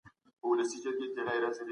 چي یاران دي باندي تللي